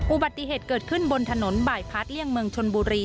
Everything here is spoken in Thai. อุบัติเหตุเกิดขึ้นบนถนนบ่ายพาร์ทเลี่ยงเมืองชนบุรี